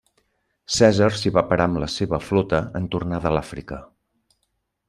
Cèsar s'hi va parar amb la seva flota en tornar de l'Àfrica.